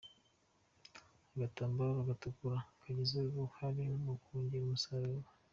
Agatambaro gatukura kagize uruhare mu kongera umusaruro.